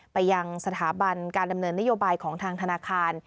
ไปยังสถาบันการดำเนินนโยบายของทางธนาคาร